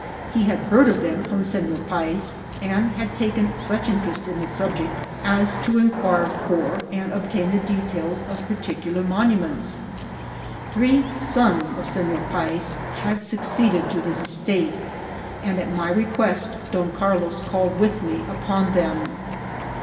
He had heard of them from Senor RUINS OF QTJIRIGUA. 119 Payes, and had taken such interest in the subject as to inquire for and obtain the details of particular monu ments. Three sons of Seiior Payes had succeeded to his estate, and at my request Don Carlos called with me upon them.